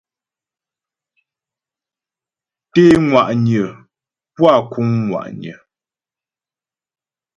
Té ŋwa'nyə puá kǔŋ ŋwa'nyə.